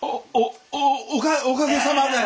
おおおかげさまで。